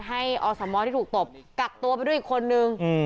ให้อสมที่ถูกตบกักตัวไปด้วยอีกคนนึง